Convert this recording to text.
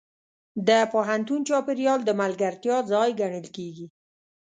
د پوهنتون چاپېریال د ملګرتیا ځای ګڼل کېږي.